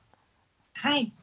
はい。